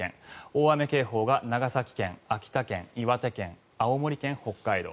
大雨警報が長崎県、秋田県岩手県、青森県、北海道。